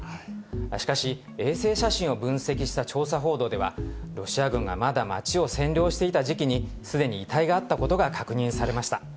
しかし、衛星写真を分析した調査報道では、ロシア軍がまだ町を占領していた時期に、すでに遺体があったことが確認されました。